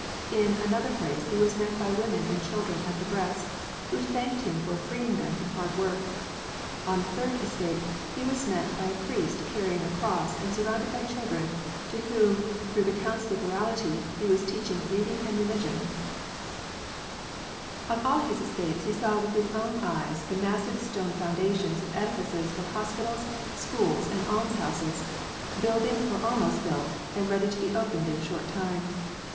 In another place he was met by women with children at the breast, who thanked him for freeing them from hard work. On a third estate, he was met by a priest carrying a cross and surrounded by children, to whom, through the count's lib erality, he was teaching reading and religion. 106 WAR AND PEACE. On all his estates he saw with his own eyes the massive stone foundations of edifices for hospitals, schools, and alms houses, building or almost built, and ready to be opened in a short time.